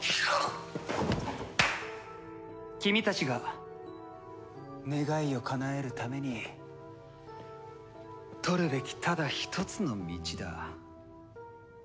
君たちが願いをかなえるためにとるべきただ一つの道だ。